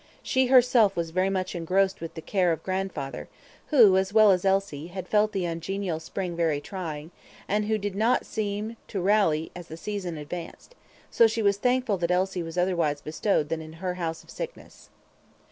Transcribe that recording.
She herself was very much engrossed with the care of grandfather, who, as well as Elsie, had felt the ungenial spring very trying, and who did not seem to rally as the season advanced; so she was thankful that Elsie was otherwise bestowed than in her house of sickness.